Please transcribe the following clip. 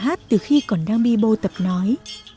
cháu ông đã nghe ông đàn hát từ khi còn đang bì bô tập nói